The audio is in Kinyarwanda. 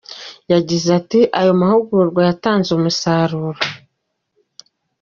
Yagize ati “Aya mahugurwa yatanze umusaruro.